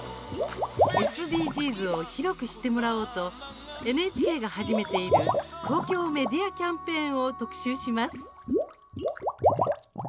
ＳＤＧｓを広く知ってもらおうとＮＨＫが始めている公共メディアキャンペーンを特集します。